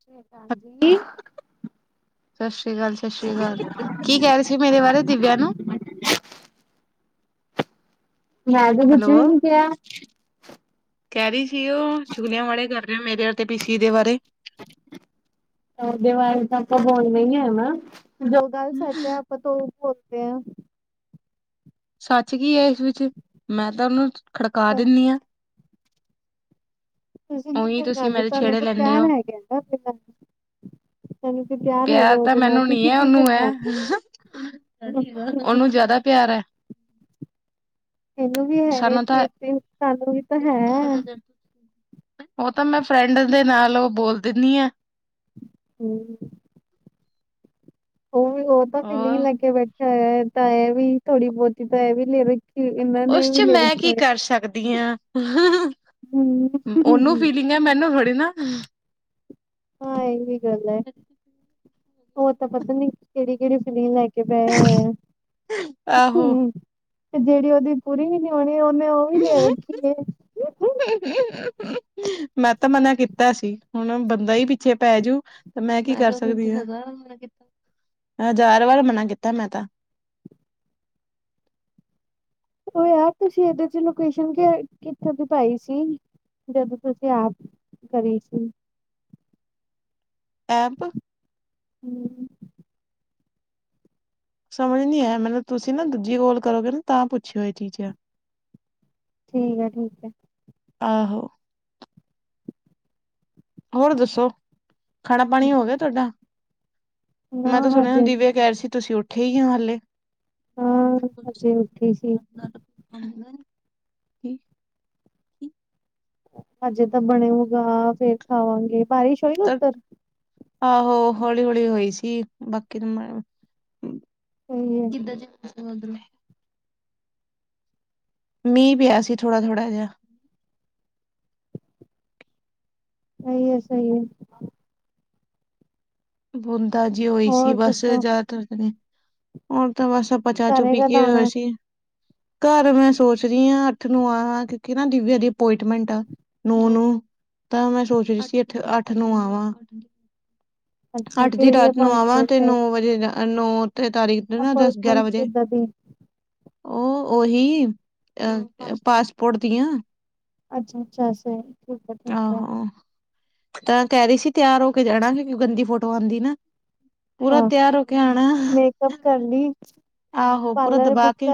ਸਤਿ ਸ੍ਰੀ ਅਕਾਲ ਜੀ ਸਤਿ ਸ੍ਰੀ ਅਕਾਲ, ਸਤਿ ਸ੍ਰੀ ਅਕਾਲ ਕੀ ਕਹਿ ਰਹੇ ਸੀ ਮੇਰੇ ਬਾਰੇ ਦਿਵਿਆਂ ਨੂੰ ਮੈਂ ਤਾਂ ਕੁੱਛ ਵੀ ਹੈਲੋ। ਨੀ ਕਿਹਾ ਕਹਿ ਰਹੀ ਸੀ ਉਹ, ਚੁਗਲਿਆਂ ਵਾਲੜੇ ਕਰ ਰਹੇ ਹੋ ਮੇਰੇ ਤੇ ਪੀ ਸੀ ਦੇ ਬਾਰੇ ਉਹਦੇ ਬਾਰੇ ਤਾਂ ਆਪਾਂ ਬੋਲਣਾ ਹੀ ਹੈ ਵਾ, ਜੋ ਗੱਲ ਸੱਚ ਹੈ ਪਤਾ ਉਹ ਬੋਲਦੇ ਆ ਸੱਚ ਕੀ ਹੈ ਇਸ ਵਿੱਚ, ਮੈਂ ਤਾਂ ਉਹਨੂੰ ਖੜਕਾ ਦਿੰਦੀ ਹਾਂ ਤੁਸੀਂ ਨੀ ਉਹੀ ਤੁਸੀਂ ਖੜਕਾਉਦੇ, ਮੇਰੇ ਤੁਹਾਨੂੰ ਛੇੜੇ ਤਾਂ ਲੈਂਦੇ ਪਿਆਰ ਹੋ ਹੈਗਾ ਉਹਦੇ ਨਾਲ ਸਾਨੂੰ ਤੇ ਤਿਆਰ ਪਿਆਰ ਹੈਗਾ ਤਾਂ ਉਹਦੇ ਨਾਲ, ਮੈਨੂੰ ਨੀ ਹੈ ਤੁਸੀਂ ਉਹਨੂੰ ਹੈ ਖੜਕਾਓਗੇ ਉਹਨੂੰ ਜਿਆਦਾ ਪਿਆਰ ਹੈ ਇਹਨੂੰ ਵੀ ਹੈ, ਸਾਨੂੰ ਤਾਂ ਤੇ ਸਾਨੂੰ ਵੀ ਤਾਂ ਹੈ ਉਹ ਤਾਂ ਮੈਂ ਫਰੈਂਡ ਦੇ ਨਾਲ ਉਹ ਬੋਲ ਦਿੰਦੀ ਆ ਹਮ ਉਹ ਵੀ ਉਹ ਤਾਂ ਫੀਲਿੰਗ ਹੋਰ ਲੈ ਕੇ ਬੈਠਾ ਹੋਇਆ ਤਾਂ ਇਹ ਵੀ ਥੋੜੀ ਬਹੁਤੀ ਤਾਂ ਇਹ ਵੀ ਲ ਉਸ 'ਚ ਮੈਂ ਕੀ ਕਰ ਸਕਦੀ ਹਾਂ ਉਹਨੂੰ ਹਮ ਫੀਲਿੰਗ ਹੈ, ਮੈਨੂੰ ਥੋੜੀ ਨਾ ਹਾਂ ਇਹ ਵੀ ਗੱਲ ਹੈ, ਉਹ ਤਾਂ ਪਤਾ ਨੀ ਕਿਹੜੀ- ਕਿਹੜੀ ਫਿਲ ਪੈ ਹੋਇਆ, ਆਹੋ ਤੇ ਜਿਹੜੀ ਉਹਦੀ ਕੁੜੀ ਵੀ ਨੀ ਵਿਅਆਹਣੀ, ਉਹਨੇ ਉਹ ਵੀ ਲੈ ਵੇਖੀ ਮੈਂ ਤਾਂ ਮਨਾ ਕੀਤਾ ਸੀ, ਹੁਣ ਬੰਦਾ ਹੀ ਪਿੱਛੇ ਪੈ ਜਊ ਤੇ ਮੈਂ ਕੀ ਕਰ ਸਕਦੀ ਹਾਂ ਹਜ਼ਾਰ ਵਾਰ ਮਨਾ ਕੀਤਾ ਮੈਂ ਤਾਂ। ਉਹ ਯਾਰ ਤੁਸੀਂ ਇਹਦੇ 'ਚ ਲੋਕੇਸ਼ਨ ਕਿੱਥੋਂ ਦੀ ਪਾਈ ਸੀ। ਜਦੋਂ ਤੁਸੀਂ ਆਪ ਕਰੀ ਸੀ। ਐਪ। ਹੂੰ। ਸਮਝ ਨੀ ਆਇਆ ਮੈਨੂੰ ਤੁਸੀਂ ਨਾ ਦੂਜੀ ਕੋਲ ਕਰੋਗੇ ਨਾ ਤਾਂ ਪੁੱਛਿਓ ਇਹ ਚੀਜ਼ਾਂ। ਠੀਕ ਹੈ ਠੀਕ ਹੈ। ਆਹੋ ਹੋਰ ਦੱਸੋ ਖਾਣਾ ਪਾਣੀ ਹੋ ਗਿਆ ਤੁਹਾਡਾ ਨਾ ਮੈਂ ਤਾਂ ਸੁਣਿਆ ਹਜੇ ਦਿਵਿਆ ਕਹਿ ਰ ਸੀ ਤੁਸੀਂ ਉੱਠੇ ਹੀ ਆ ਹਾਲੇ ਹਾਂ ਅਜੇ ਉੱਠੇ ਸੀ [inaudible] ਹਜੇ ਤਾਂ ਬਣੇ ਹੋਗਾ ਫੇਰ ਖਾਵਾਂਗੇ ਬਾਰਿਸ਼ ਹੋਈ ਨਾ ਉੱਧਰ ਆਹੋ ਹੌਲੀ ਹੌਲੀ ਹੋਈ ਸੀ ਬਾਕੀ ਸਹੀ ਐ [inaudible] ਮੀਂ ਪਿਆ ਸੀਥੋੜਾ ਥੋੜ੍ਹਾ ਜਿਹਾ। ਸਹੀ ਹੈ ਸਹੀ ਹੈ ਬੁੰਦਾ ਜੀ ਹੋਈ ਸੀ ਹੋਰ ਬਸ ਦੱਸੋ ਜ਼ਿਆਦਾਤਰ ਨੇ ਔਰ ਤਾਂ ਬਸ ਸ ਆਪਾ ਚਾ ਘਰੇ ਚੁਪੀ ਕਦ ਕੇ ਆਣਾ? ਵੈਸੀ ਘਰ ਮੈਂ ਸੋਚ ਰਹੀ ਹਾਂ ਅੱਠ ਨੂੰ ਆ ਕਿਉਕਿ ਨਾ ਦਿਵਿਆ ਦੀ ਅਪੋਇੰਟਮੈਂਟ ਆ ਨੋ ਨੂੰ ਤਾਂ ਮੈਂ ਸੋਚ ਰਹੀ ਸੀ ਅੱਠ ਅੱਠ ਨੂੰ ਆਵਾਂ। ਅੱਛਾ ਅੱਠ ਦੀ ਕਿਹੜੀ ਰਾਤ ਨੂੰ ਆਵਾਂ ਤੇ ਅਪੋਇੰਟਮੈਂਟ ਨੌ ਐ? ਵਜੇ ਨੌ ਤੇ ਤਾਰੀਖ ਨਾ ਦਸ ਗਿਆਰਾਂ ਅਪੋਇੰਟਮੈਂਟ ਵਜੇ। ਕਿੱਦਾਂ ਦੀ ਉਹ ਉਹੀ ਅ ਪਾਸਪੋਰਟ ਦੀਆਂ। ਅੱਛਾ ਅੱਛਾ ਠੀਕ ਹੈ ਠੀਕ ਹੈ‌। ਆਹੋ ਤਾਂ ਕਹਿ ਰਹੀ ਸੀ ਤਿਆਰ ਹੋ ਕੇ ਜਾਣਾ ਕਿਉਂਕਿ ਗੰਦੀ ਫੋਟੋ ਆਂਦੀ ਨਾ। ਪੂਰਾ ਤਿਆਰ ਹੋ ਕੇ ਆਣਾ। ਸਭ ਕਰਲੀ। ਆਹੋ ਪੂਰਾ ਦਬਾ ਕੇ।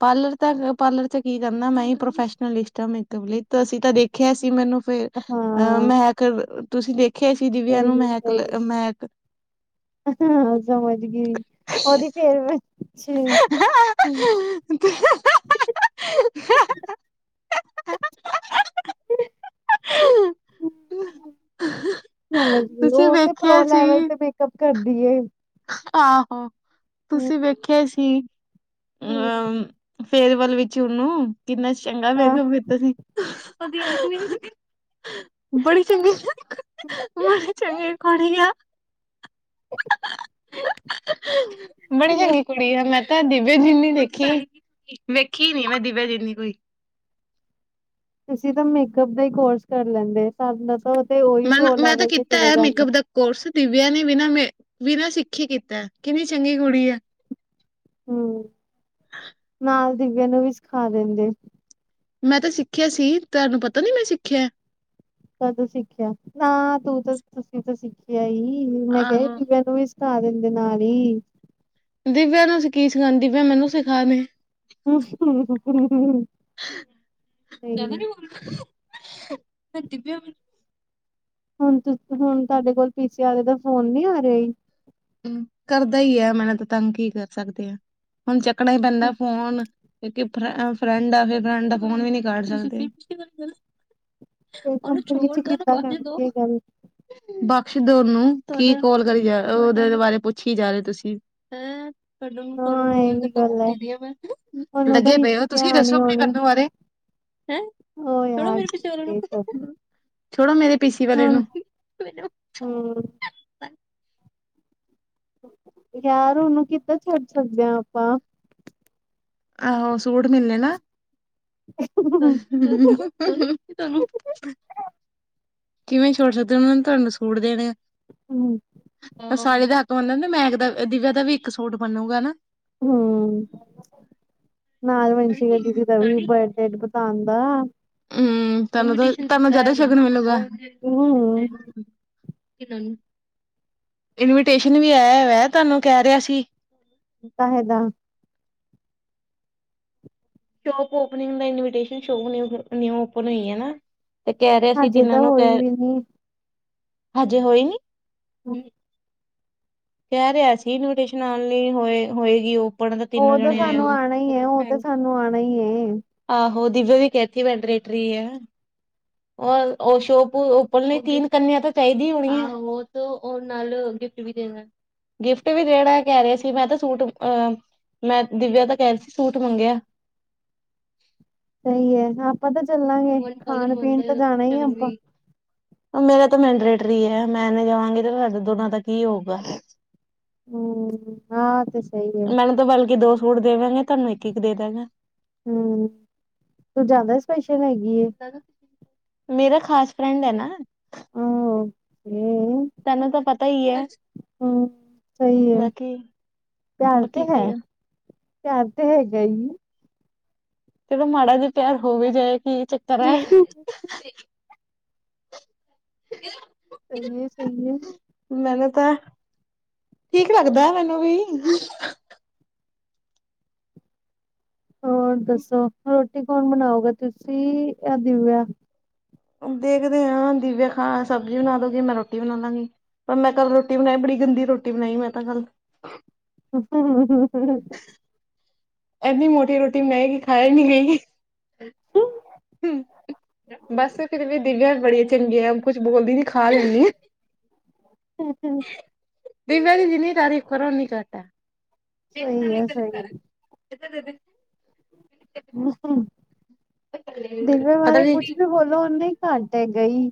ਪਾਰਲਰ ਤਾਂ ਪਾਰਲਰ 'ਚ ਕੀ ਕਰਨਾ ਮੈਂ ਹੀ ਪ੍ਰੋਫੈਸ਼ਨਲਿਸਟ ਹਾਂ ਮੇਕਅਪ ਲਈ ਤੁਸੀਂ ਤਾਂ ਦੇਖਿਆ ਸੀ ਮੈਨੂੰ। ਫੇਰ ਅਹ ਹਾਂ ਮਹਿਕ ਤੁਸੀਂ ਦੇਖਿਆ ਸੀ ਦਿਵਿਆਂ ਸਹੀ ਨੂੰ ਮਹਿਕ ਸਹੀ ਮਹਿਕ। ਹਾਂ ਸਮਝ ਗਈ ਉਹਦੀ ਫੇਰ ਅੱਛਾ। ਹਹਹ। ਸਮਝ ਗਈ ਤੁਸੀਂ ਉਹ ਤੇ ਪ੍ਰੋ ਵੇਖਿਆ ਸੀ ਲੈਵਲ ਤੇ। ਕਬ ਕਰਦੀ ਹੈ। ਆਹੋ ਤੁਸੀਂ ਵੇਖਿਆ ਸੀ। ਹੂੰ ਫੇਅਰਵੱਲ ਵਿੱਚ ਉਹਨੂੰ ਕਿੰਨਾ ਚੰਗਾ ਹਾਂ ਮੇਕਅੱਪ ਕੀਤਾ ਸੀ। ਬੜੀ ਚੰਗੀ ਬੜੇ ਚੰਗੇ। ਘਰ ਹੀ ਹੈ। ਬੜੀ ਚੰਗੀ ਕੁੜੀ ਹੈ ਮੈਂ। ਮੈਂ ਦੀਵਿਆ ਜਿੰਨੀ ਦੇਖੀ ਵੇਖੀ ਨੀ ਮੈਂ ਦਿਵਿਆ ਜਿੰਨੀ ਕੋਈ। ਤੁਸੀਂ ਤਾਂ ਮੇਕਅਪ ਦਾ ਹੀ ਕੋਰਸ ਕਰ ਲੈਂਦੇ ਸਾਨੂੰ ਤਾਂ ਉਹ ਉਹੀ ਮੈਨ ਪ੍ਰੋ ਮੈਂ ਤਾਂ ਲੈਵਲ ਤੇ ਕੀਤਾ ਚਲਾ ਹੈ ਜਾਂਦਾ। ਮੇਕਅਪ ਦਾ ਕੋਰਸ ਦਿਵਿਆਂ ਨੇ ਬਿਨਾਂ ਬਿਨਾਂ ਸਿੱਖੀ ਕੀਤਾ ਕਿੰਨੀ ਚੰਗੀ ਕੁੜੀ ਹੈ। ਹੂੰ ਨਾਲ ਦੀਵਿਆਂ ਨੂੰ ਵੀ ਸਿਖਾ ਦਿੰਦੇ। ਮੈਂ ਤਾਂ ਸਿੱਖਿਆ ਸੀ ਤੁਹਾਨੂੰ ਪਤਾ ਨੀ ਮੈਂ ਸਿੱਖਿਆ। ਕਦ ਸਿੱਖਿਆ ਤਾਂ ਤੂੰ ਤਾਂ ਤੁਸੀਂ ਤਾਂ ਸਿੱਖਿਆ ਹੀ ਮੈਂ ਕਿਹਾ ਆਹੋ। ਦੀਵਿਆਂ ਨੂੰ ਵੀ। ਸਿੱਖਾ ਦਿੰਦੇ ਨਾ ਹੀ। ਦੀਵਿਆਂ ਨੂੰ ਤੁਸੀਂ ਕੀ ਸਿੱਖਾਂ ਦੀ ਪਈ ਆ ਮੈਨੂੰ ਸਿਖਾ ਦੇ। ਹੂੰ ਹੂੰ ਹੂੰ। ਜਿਆਦਾ ਨੀ ਬੋਲਦਾ ਪਈ। ਹੁਣ ਤੁਹਾਡੇ ਕੋਲ ਪੀਸੀ ਵਾਲੇ ਦਾ ਫੋਨ ਨਹੀਂ ਆ ਰਿਹਾ। ਕਰਦਾ ਈ ਐ ਮੈਨੂੰ ਤਾਂ ਤੰਗ ਕੀ ਕਰ ਸਕਦੇ ਆਂ। ਹੁਣ ਚੱਕ ਕਰਨਾਂ ਹੀ ਪੈਂਦਾ ਫੋਨ ਕਿਉਂਕਿ ਫ ਫਰੈਂਡ ਆ ਫਰੈਂਡ। ਫੋਨ ਵੀ ਨਹੀਂ ਕਰ ਸਕਦੀ। ਤੇ ਉਹਨੂੰ ਕੰਪਨੀ ਚ ਛੋਰ ਕਰ, ਕਿੱਦਾਂ ਬਾਕੀ ਦੋ। ਕਰਦੀ ਇਹ ਗੱਲ ਬਖਸ਼ ਦੋ ਉਨੂੰ ਕੀ ਕੋਲ ਕਰੀ ਜਾ ਉ। ਉਦੇ ਬਾਰੇ ਪੁੱਛੀ ਜਾ ਰਹੇ ਤੁਸੀਂ। ਹੈਂ? ਹਾਂ ਸਾਨੂੰ ਇਹ ਰੋਜ ਵੀ ਦਾ ਗੱਲ ਹੈ [unintelligible] ਉਹਨੂੰ ਤਾਂ ਲਗੇ ਪਏ ਹੋ ਹਿਚਕਿਆ ਤੁਸੀਂ ਆਣੀ ਦੱਸੋ ਆਪਣੇ ਆਉਣੀ [unintelligible] ਬਾਰੇ। ਹੈਂ? ਹੋ ਛੋੜੋ ਯਾਰ ਮੇਰੇ ਪਿੱਛੇ ਉਹਨਾਂ ਠੀਕ ਸਭ ਨੂੰ। ਛੋੜੋ ਮੇਰੇ ਪੀਸੀ ਵਾਲੇ ਨੂੰ। ਹਂ ਯਾਰ ਉਹਨੂੰ ਕਿੱਦਾਂ ਛੱਡ ਸਕਦੇ ਆਂ ਆਪਾਂ। ਆਹੋ ਸੂਟ ਮਿਲਣੇ ਨਾਂ। [inaudible] ਕਿਵੇਂ ਛੋੜ ਸਕਦੇ ਉਹਨਾਂ ਨੇਂ ਤੁਹਾਨੂੰ ਸੂਟ ਦੇਣੇ ਆ। ਹਂ ਸਾਲੀ ਦਾ ਹੱਕ ਮੰਨਦਾ ਮੈਂ ਦਾ ਦਿਵਿਆ ਦਾ ਵੀ ਇੱਕ ਸੂਟ ਬਣੂੰਗਾ ਨਾਂ। ਹਂ, ਨਾਲ ਮਨਸ਼ੀ ਦੀਦੀ ਦਾ ਵੀ। ਕੇਕ ਬਤਾਣ ਦਾ। ਹਂ, ਤੁਹਾਨੂੰ ਤਾਂ ਤੁਹਾਨੂੰ ਜ਼ਿਆਦਾ ਸ਼ਗਨ ਮਿਲੂਗਾ। ਹੂੰ, ਇਨਵੀਟੇਸ਼ਨ ਵੀ ਆਇਆ ਹੋਇਆ। ਤੁਹਾਨੂੰ ਕਹਿ ਰਿਹਾ ਸੀ। ਤਾਂ ਇਹਦਾ। ਸ਼ੋਪ ਓਪਨਿੰਗ ਦਾ ਇਨਵੀਟੇਸਨ, ਸ਼ੋਪ ਨਿਊ ਓਪਨ ਹੋਈ ਹੈ ਨਾਂ। ਤੇ ਕਹਿ ਰਿਆ ਸੀ ਹਜੇ ਇਹਨਾਂ ਤਾਂ ਨੂੰ ਹੋਈ ਕਹਿ, ਵੀ ਨੀ। ਹਜੇ ਹੋਈ ਨੀਂ। ਕਹਿ ਰਿਆ ਸੀ ਇਨਵੀਟੇਸ਼ਨ ਨਾਲ ਨਹੀਂ ਹੋਏ, ਹੋਏਗੀ ਉਹ। ਪੜਨ ਤਾਂ ਤਿੰਨੋ ਉਹ ਜਣੇ ਆਏ ਸਾਨੂੰ ਹੁਣ ਆਣਾ ਈ ਐ, ਉਹ ਤਾਂ [unintelligible] ਸਾਨੂੰ ਆਣਾ ਈ ਐ। ਆਹੋ ਦਿਵਿਆ ਵੀ ਕੇਥੀ ਵੈਂਟਟਰੀ ਐ। ਉਹ ਓਸ਼ੋਪ ਓਪਨ ਨੇ ਤੀਨ ਕੰਨਿਆਂ ਤਾਂ ਚਾਈਦੀ ਹੋਣੀ ਏ, ਉਹ ਉਹ ਨਾਲ ਗਿਫਟ ਵੀ ਦੇਣਾ। ਗਿਫਟ ਵੀ ਜਿਹੜਾ ਕਹਿ ਰਿਹਾ ਸੀ, ਮੈਂ ਤਾਂ ਸੂਟ ਅ ਮੈਂ ਦਿਵਿਆ ਦਾ ਕਹਿ ਰੀ ਸੀ ਸੂਟ ਮੰਗਿਆ। ਸਹੀ ਐ, ਆਪਾਂ ਤਾਂ ਚੱਲਾਂਗੇ ਖਾਣ-ਪੀਣ ਤਾਂ ਜਾਣਾ ਈ ਆਪਾਂ। ਮੇਰਾ ਤਾਂ ਮੈਂਡਰੇਟ੍ਰੀ ਏ, ਮੈਂ ਨੀਂ ਜਾਵਾਂਗੀ ਤੇ ਸਾਡੇ ਦੋਨਾਂ ਦਾ ਕੀ ਹੋਊਗਾ। ਹਂ, ਹਾਂ ਤੇ ਸਹੀ ਐ। ਮੈਨੂੰ ਤਾਂ ਬਲਕੇ ਦੋ ਸੂਟ ਦੇਵਾਂਗੇ ਤੁਹਾਨੂੰ ਇੱਕ-ਇੱਕ ਦੇ ਦੇਣਾ। ਹਂ, ਤੂੰ ਜ਼ਿਆਦਾ ਸਪੈਸ਼ਲ ਹੈਗੀਏ। ਮੇਰਾ ਖਾਸ ਫਰੈਂਡ ਐ ਨਾਂ। ਓ, ਹੀ ਈ ਤੈਨੂੰ ਤਾਂ ਪਤਾ ਈ ਏ, ਸਹੀ ਐ, ਬਾਕੀ। ਪਿਆਰ ਤੇ ਬਾਕੀ ਹੈ, ਕੀ ਆ। ਪਿਆਰ ਤੇ ਹੈਗਾ ਈ। ਚਲੋ ਮਾੜਾ ਜਿਆ ਪਿਆਰ ਹੋ ਵੀ ਜਾਏ ਕੀ ਚੱਕਰ ਏ। ਸਹੀ [inaudible] ਸਹੀ ਏ ਸਹੀ ਏ। ਮੈਨੂੰ ਤਾਂ, ਠੀਕ ਲੱਗਦਾ ਮੈਨੂੰ ਵੀ ਹੋਰ ਦੱਸੋ ਰੋਟੀ ਕੌਣ ਬਣਾਓਗਾ ਤੁਸੀਂ ਯਾਂ ਦਿਵਿਆ। ਦੇਖਦੇ ਆਂ ਦਿਵਿਆ ਖਾਨਾ ਸਬਜ਼ੀ ਬਣਾ ਦੂਗੀ, ਮੈਂ ਰੋਟੀ ਬਣਾ ਲਾਂਗੀ। ਪਰ ਮੈਂ ਕੱਲ ਰੋਟੀ ਬਣਾਈ ਬੜੀ ਗੰਦੀ ਰੋਟੀ ਬਣਾਈ ਮੈਂ ਤਾਂ ਕੱਲ। [unintelligible] ਇੰਨੀਂ ਮੋਟੀ ਰੋਟੀ ਬਨਾਈ ਕਿ ਖਾਏ ਨੀਂ ਗਈ। ਹਂ ਬੱਸ ਫੇਰ ਵੀ ਦਿਵਿਆਂ ਬੜੀ ਚੰਗੀ ਆ ਕੁਛ ਬੋਲਦੀ ਨੀਂ ਖਾ ਲੈਂਦੀ। ਹੂੰ-ਹੂੰ। ਦਿਵਿਆ ਦੀ ਜਿੰਨੀ ਤਾਰੀਫ਼ ਕਰੋ ਓਨੀ ਘੱਟ ਐ। ਸਹੀ ਐ ਸਹੀ। ਦੇ-ਦੇ। ਹੂੰ-ਹੂੰ ਦਿਵਿਆ ਪਤਾ ਬਾਰੇ ਨੀ ਕੁਛ ਵੀ ਕੀ ਬੋਲੋ ਓਨਾਂ ਇ ਘਾਂਟੇ ਗਈ,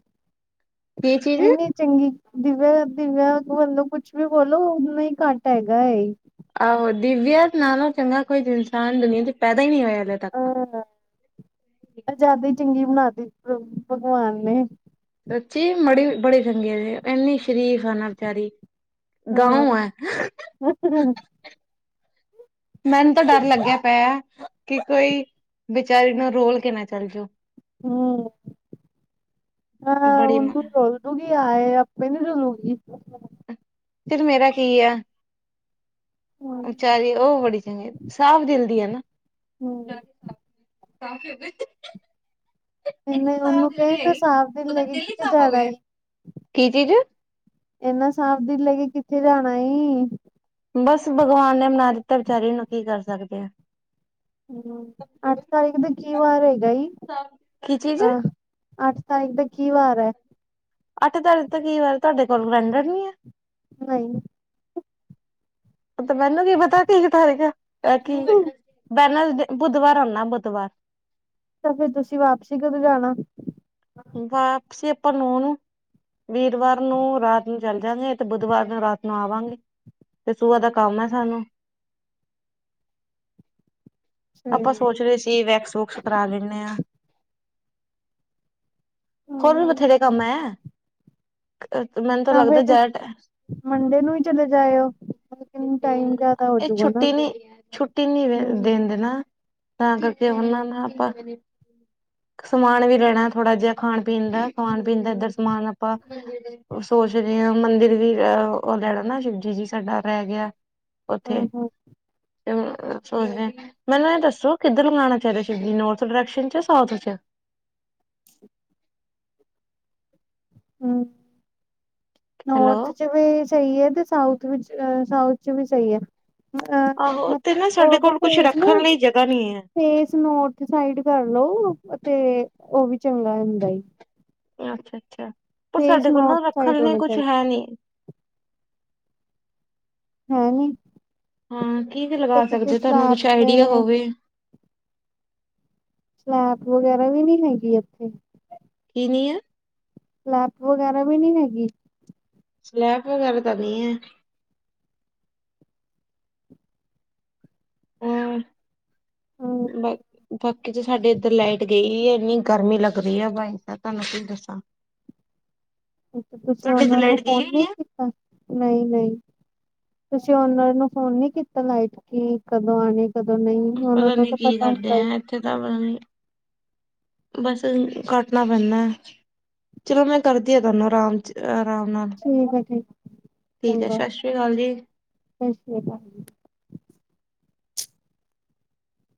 ਚੀਜ਼ ਇਨੀਂ ਚੰਗੀ ਦਿਵਿਆ-ਦਿਵਿਆ ਵੱਲੋਂ ਕੁਛ ਵੀ ਬੋਲੋ ਓਨਾ ਹੀ ਘੱਟ ਹੈਗਾ ਏ। ਆਹੋ ਦਿਵਿਆ ਨਾਲੋਂ ਚੰਗਾ ਕੋਈ ਇਨਸਾਨ ਦੁਨੀਆਂ ਚ ਪੈਦਾ ਇ ਨੀ ਹੋਇਆ ਗਾ। [unintelligible] ਪੰਜਾਬੀ ਚੰਗੀ ਬਣਾ ਤੀ ਭ ਭਗਵਾਨ ਨੇਂ। ਸਚੀ ਮੜੀ ਬੜੇ ਚੰਗੇ ਇੰਨੀ ਸ਼ਰੀਫ ਆ ਨਾ ਬਚਾਰੀ ਹਾਂ। ਗਾਂਓ ਐਂ। ਮੈਨੂੰ ਤਾਂ ਡਰ ਲੱਗਿਆ ਪਿਆ ਕਿ ਕੋਈ ਬਚਾਰੀ ਨੂੰ ਰੋਲ ਕੇ ਨਾ ਚੱਲ ਜਓ। ਹੂੰ ਬੜੀ ਹਾਂ ਮ ਤੂੰ ਰੁਲ ਕਿਉਂਕਿ ਆਏ ਆਪੇ ਨਹੀਂ ਰੁਲੂਗੀ। ਫਿਰ ਮੇਰਾ ਕੀ ਆ। ਵਿਚਾਰੀ ਉਹ ਬੜੀ ਚੰਗੀ ਸਾਫ਼ ਦਿਲ ਦੀ ਆ ਨਾ। ਹੂੰ ਸਾਫ਼ ਦਿਲ ਦੀ ਇਹਨੇ ਉਹਨੂੰ ਕਹਿ ਤੇ ਸਾਫ਼ ਦਿਲ ਲੈ ਕੇ ਕਿਥੇ ਜਾਨਾ ਈ। ਕੀ ਚੀਜ਼ ਇੰਨਾ ਸਾਫ਼ ਦਿਲ ਲੈ ਕੇ ਕਿੱਥੇ ਜਾਣਾਂ ਈ। ਬਸ ਭਗਵਾਨ ਨੇ ਬਨਾ ਦਿੱਤਾ ਵਿਚਾਰੀ ਨੂੰ ਕੀ ਕਰ ਸਕਦੇ ਆ। ਹੂੰ ਅੱਠ ਤਾਰੀਖ ਦਾ ਕੀ ਵਾਰ ਹੈਗਾ ਈ। ਸਾਫ਼ ਕੀ ਚੀਜ਼ ਅਹ ਅੱਠ ਤਾਰੀਕ ਦਾ ਕੀ ਵਾਰ ਹੈ। ਅੱਠ ਦਾ ਕਈ ਵਾਰ ਤੁਹਾਡੇ ਕੋਲ ਰਹਿੰਦਾ ਨੀ ਆ। ਨਈ। ਤੇ ਮੈਨੂੰ ਕੀ ਪਤਾ ਕੀ ਤਾਰੀਕ ਕੀ ਮੈਂ ਬੁੱਧਵਾਰ ਆਉਂਨਾ ਬੁੱਧਵਾਰ। ਤਾਂ ਫੇਰ ਤੁਸੀਂ ਵਾਪਸੀ ਕਦੋਂ ਜਾਣਾ? ਵਾਪਸੀ ਆਪਾਂ ਨੋ ਨੂੰ। ਵੀਰਵਾਰ ਨੂੰ ਰਾਤ ਨੂੰ ਚੱਲ ਜਾਗੇ ਤੇ ਬੁੱਧਵਾਰ ਨੂੰ ਰਾਤ ਨੂੰ ਆਵਾਂਗੇ। ਤੇ ਸੂਭਾ ਦਾ ਕੰਮ ਐ ਸਾਨੂੰ। ਆਪਾਂ ਸੋਚ ਰਹੇ ਸੀ ਵੈਕਸ ਵੁਕਸ ਕਰਾ ਲੈਨੇ ਆਂ। ਹੋਰ ਵੀ ਹੂੰ ਬਥੇਰੇ ਕੰਮ ਐ। ਅ ਮੈਨੂੰ ਤਾਂ ਲੱਗਦਾ ਫਿਰ ਜਾਟ ਤੁਸੀਂ ਐ ਮੰਡੇ ਨੂੰ ਹੀ ਚਲੇ ਜਾਇਓ। ਲੇਕਿਨ ਟਾਈਮ ਜ਼ਿਆਦਾ ਇਹ ਹੋਜੂਗਾ ਨਾ। ਛੁੱਟੀ ਨੀ ਛੁੱਟੀ ਨੀ ਹੂੰ। ਦਣ ਦੇਣ ਦੇ ਨਾ। ਤਾਂ ਕਰਕੇ ਉਹਨਾਂ ਨਾਲ ਆਪਾਂ ਸਮਾਨ ਵੀ ਲੈਣਾ ਥੋੜ੍ਹਾ ਜਿਹਾ ਖਾਣ ਪੀਣ ਦਾ ਖਾਣ ਪੀਣ ਦਾ ਇੱਧਰ ਸਮਾਨ ਆਪਾਂ ਸੋਚ ਰਹੇ ਹ ਮੰਦਿਰ ਵੀ ਅਹ ਉਹ ਲੈਣਾ ਨਾ ਸ਼ਿਵਜੀ ਜੀ ਸਾਡਾ ਰਹਿ ਗਿਆ। ਹੂੰ ਉੱਥੇ ਹੂੰ ਸੋਚਦੇ ਮੈਨੂੰ ਇਹ ਦੱਸੋ ਕਿੱਧਰ ਲਗਾਉਣਾ ਚਾਹੀਦਾ ਸ਼ਿਵਜੀ ਨੋਰਥ ਡਾਇਰੈਕਸ਼ਨ ਚ ਸਾਊਥ ਚ। ਹੈਲੋ ਨੋੌਰਥ ਚ ਵੀ ਸਈ ਏ ਕੇ ਸਾਊਥ ਵਿੱਚ ਸਾਊਥ ਚ ਵੀ ਸਈ ਏ। ਅ ਆਹੋ ਅਹ ਤੇ ਨਾ ਸਾਡੇ ਉਹਦਾ ਕੋਲ ਕੁਛ ਫੇਸ ਨਾ ਰੱਖਣ ਲਈ ਜਗ੍ਹਾ ਨਹੀਂ ਫੇਸ ਨੋੌਰਥ ਸਾਈਡ ਕਰਲੋ ਤੇ ਉਹ ਵੀ ਚੰਗਾ ਹੁੰਦਾ ਏ। ਅੱਛਾ-ਅੱਛਾ ਪਰ ਸਾਡੇ ਕੋਲ ਨਾ ਨੌਰਥ ਰੱਖਣ ਸਾਈਡ ਲਈ ਹੋਣਾ ਕੁਛ ਚਾਹੀਦਾ ਹੈ ਨੀ। ਹੂੰ-ਹੂੰ। ਹਾਂ ਕੀ ਵੀ ਲਗਾ ਸਕਦੇ ਹੋ ਤੁਹਾਨੂੰ ਸਲੈਬ ਕੁਛ ਤੇ ਆਈਡੀਆ ਹੋਵੇ। ਸਲੈਬ ਵਗੈਰਾ ਵੀ ਨੀ ਹੈਗੀ ਇੱਥੇ। ਕੀ ਨੀ ਆ। ਲੈਪ ਵਗੈਰਾ ਵੀ ਨੀ ਹੈਗੀ। ਸਲੈਬ ਵਗੈਰਾ ਤਾਂ ਨਹੀਂ ਹੈ। [inaudible] ਹੂੰ ਕਿਤੇ ਸਾਡੇ ਇੱਧਰ ਲਾਈਟ ਗਈ ਹੈ ਇੰਨੀ ਗਰਮੀ ਲੱਗ ਰਹੀ ਹੈ ਬਾਈ ਤੁਹਾਨੂੰ ਕੀ ਦੱਸਾਂ। ਤੁਸੀਂ ਤੁਹਾਡੇ ਤੇ ਉਹਨਾਂ ਨੂੰ ਲਾਈਟ ਗਈ ਫੋਨ ਨਹੀਂ ਹੋਈ ਹੈ ਕੀਤਾ ਨਹੀਂ- ਨਹੀਂ। ਤੁਸੀਂ ਓਨਾ ਨੂੰ ਫੋਨ ਨੀ ਕੀਤਾ ਲਾਈਟ ਕੀ ਕਦੋਂ ਆਣੇ। ਕਦੋਂ ਨਹੀਂ ਉਹਨਾਂ ਨੂੰ ਤਾਂ ਪਤਾ ਹੁੰਦਾ ਹੈ। ਇਥੇ ਤਾਂ [unintelligible] ਬਸ ਕੱਟਣਾ ਪੈਂਦਾ। ਚਲੋ ਮੈਂ ਕਰਦੀ ਹਾਂ ਤੁਹਾਨੂੰ ਆਰਾਮ 'ਚ ਆਰਾਮ ਨਾਲ ਠੀਕ ਏ ਠੀਕ। ਠੀਕ ਹੈ ਚੰਗਾ ਸਤਿ ਸ਼੍ਰੀ ਅਕਾਲ ਜੀ। ਸਤਿ ਸ਼੍ਰੀ ਅਕਾਲ ਜੀ।